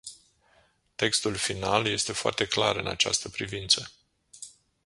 Textul final este foarte clar în această privință.